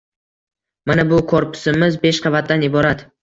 Mana bu korpusimiz besh qavatdan iborat.